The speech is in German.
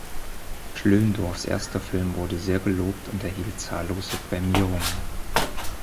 Schlöndorffs erster Film wurde sehr gelobt und erhielt zahllose Prämierungen.